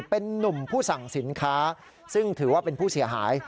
เป็นนุ่มผู้สั่งสินค้าซึ่งถือว่าเป็นผู้เสียหาย